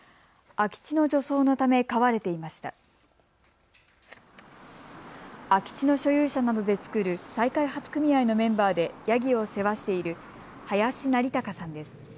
空き地の所有者などで作る再開発組合のメンバーでヤギを世話している林成鎬さんです。